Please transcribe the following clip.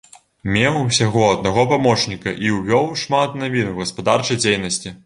Меў усяго аднаго памочніка і увёў шмат навін у гаспадарчай дзейнасці.